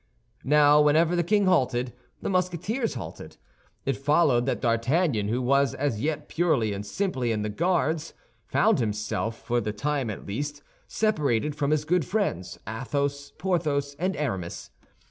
Now, whenever the king halted, the Musketeers halted. It followed that D'Artagnan, who was as yet purely and simply in the Guards, found himself, for the time at least, separated from his good friends—Athos, Porthos, and Aramis.